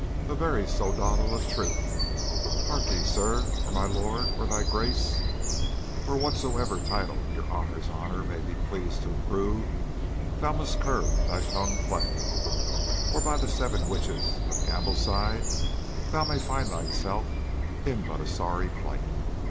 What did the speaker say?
A very soldado, o' truth. Hark ye, sir, or my lord, or thy grace, or whatsoever title your honour's honour may be pleased to approve, thou must curb thy tongue play, or by the seven witches of Gambleside thou may find thyself in but a sorry plight.